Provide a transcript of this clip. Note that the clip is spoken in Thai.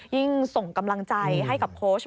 ยิ่งส่งกำลังใจให้กับโค้ช